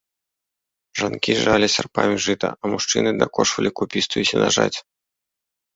Жанкі жалі сярпамі жыта, а мужчыны дакошвалі купістую сенажаць.